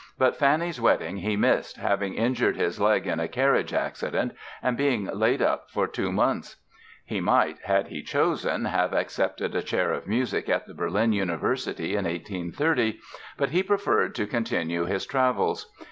But Fanny's wedding he missed, having injured his leg in a carriage accident and being laid up for two months. He might, had he chosen, have accepted a chair of music at the Berlin University in 1830, but he preferred to continue his travels.